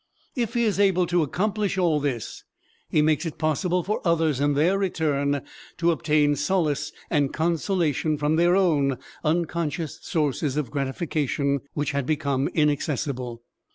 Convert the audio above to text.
If he is able to accomplish all this, he makes it possible for others, in their return, to obtain solace and consolation from their own unconscious sources of gratification which had become inaccessible.